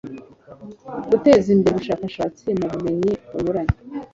guteza imbere ubushakashatsi mu bumenyi bunyuranye